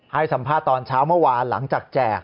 ให้สัมภาษณ์ตอนเช้าเมื่อวานหลังจากแจก